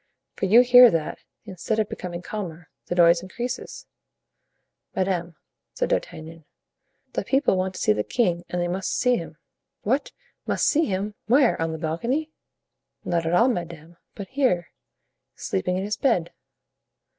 for you hear that, instead of becoming calmer, the noise increases." "Madame," said D'Artagnan, "the people want to see the king and they must see him." "What! must see him! Where—on the balcony?" "Not at all, madame, but here, sleeping in his bed."